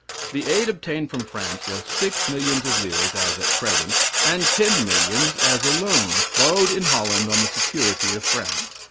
The aid obtained from France was six millions of livres, as at present, and ten millions as a loan, borrowed in Holland on the security of France.